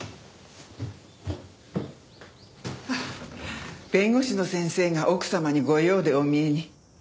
あっ弁護士の先生が奥様にご用でお見えに。